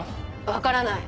分からない